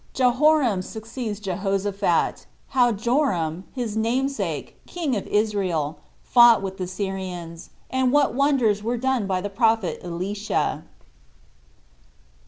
Jehoram Succeeds Jehoshaphat; How Joram, His Namesake, King Of Israel, Fought With The Syrians; And What Wonders Were Done By The Prophet Elisha.